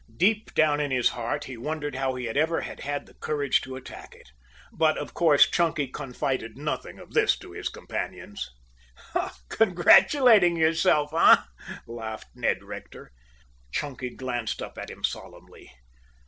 Deep down in his heart, he wondered how he ever had had the courage to attack it. But, of course, Chunky confided nothing of this to his companions. "Congratulating yourself, eh!" laughed Ned Rector. Chunky glanced up at him solemnly.